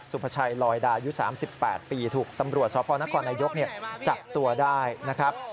สุภาชัยลอยดายุ๓๘ปีถูกตำรวจสพนครนายกจับตัวได้นะครับ